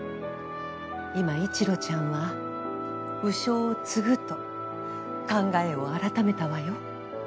今一路ちゃんは鵜匠を継ぐと考えを改めたわよ。